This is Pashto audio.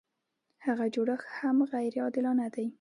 هغه جوړښت هم غیر عادلانه دی.